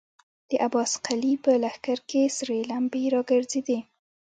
د عباس قلي په لښکر کې سرې لمبې را وګرځېدې.